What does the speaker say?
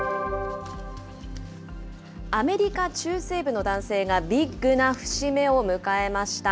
アメリカ中西部の男性が、ビッグな節目を迎えました。